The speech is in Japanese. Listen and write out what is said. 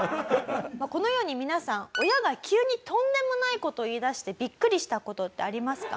このように皆さん親が急にとんでもない事言い出してビックリした事ってありますか？